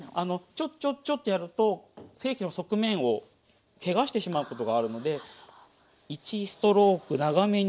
ちょちょちょってやると側面をけがしてしまうことがあるので１ストローク長めにグワーッと。